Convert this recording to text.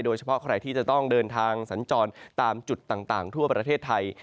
โดยเฉพาะใครที่จะต้องเดินทางสัญจรตามจุดต่างทั่วประเทศไทย